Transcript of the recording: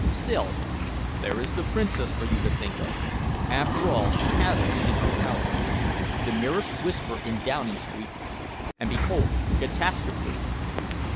Still, there is the Princess for you to think of. After all, she has us in her power. The merest whisper in Downing Street, and behold, catastrophe!"